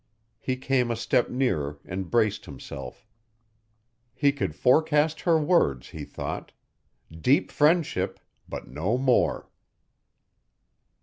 He came a step nearer and braced himself. He could forecast her words, he thought deep friendship but no more!